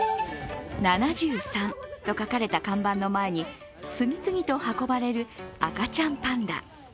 「７３」と書かれた看板の前に次々と運ばれる赤ちゃんパンダ。